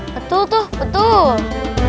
betul tuh betul